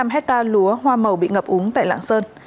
ba trăm sáu mươi năm hectare lúa hoa màu bị ngập úng tại lạng sơn